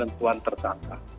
dan ada dugaan tertangka